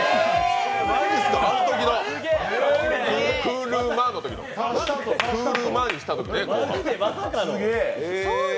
マジですか、あのときのクールーマーにしたときの？